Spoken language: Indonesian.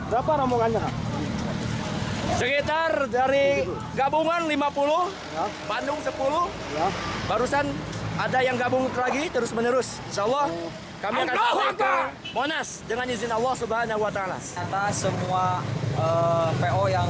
ternyata semua po yang bus yang kami hubungi itu semua menolak